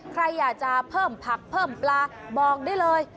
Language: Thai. ใครอยากจะเพิ่มผักเพิ่มปลาบอกได้เลย